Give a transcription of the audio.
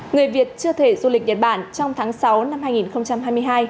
người việt chưa thể du lịch nhật bản trong tháng sáu năm hai nghìn hai mươi hai